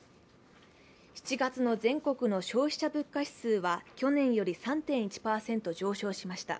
７月の全国の消費者物価指数は去年より３．１％上昇しました。